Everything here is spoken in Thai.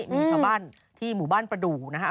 มีชาวบ้านที่หมู่บ้านประดูกนะคะ